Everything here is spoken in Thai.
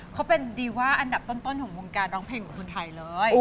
เขาเป็นดีว่าอันดับต้นของวงการร้องเพลงของคนไทยเลย